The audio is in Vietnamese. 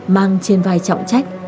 mang trên vai trọng trách